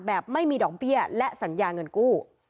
แบบไม่มีดอกเบี้ยและสัญญาเงินกู้